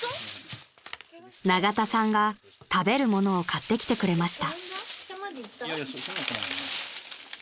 ［永田さんが食べるものを買ってきてくれました］